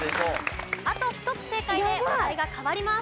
あと１つ正解でお題が変わります。